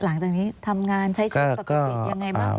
หลังจากนี้ทำงานใช้ชีวิตปกติยังไงบ้าง